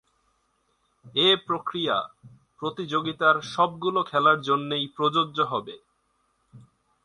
এ প্রক্রিয়া প্রতিযোগিতার সবগুলো খেলার জন্যেই প্রযোজ্য হবে।